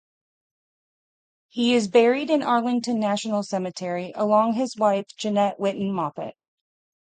He is buried in Arlington National Cemetery, alongside his wife Jeanette Whitton Moffett.